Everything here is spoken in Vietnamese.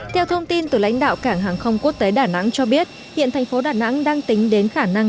theo thông tin từ lãnh đạo cảng hàng không quốc tế đà nẵng cho biết hiện thành phố đà nẵng đang tính đến khả năng